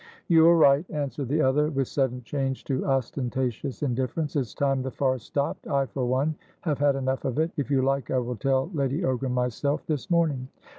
"You are right," answered the other, with sudden change to ostentatious indifference. "It's time the farce stopped. I, for one, have had enough of it. If you like, I will tell Lady Ogram myself, this morning."